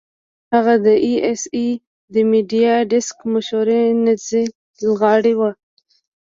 هغه د اى ايس اى د میډیا ډیسک مشاور نذیر لغاري وو.